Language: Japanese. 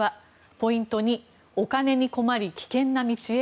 ポイント２お金に困り危険な道へ？